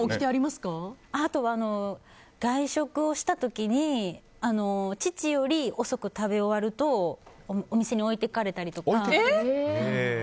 あとは、外食をした時に父より遅く食べ終わるとお店に置いていかれたりとか。